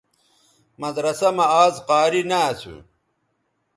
مدرسہ مہ آزقاری نہ اسُو